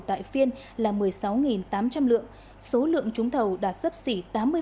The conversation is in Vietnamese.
tại phiên là một mươi sáu tám trăm linh lượng số lượng trúng thầu đạt sấp xỉ tám mươi